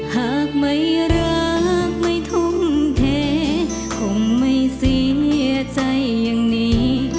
หากไม่รักไม่ทุ่มเทคงไม่เสียใจอย่างนี้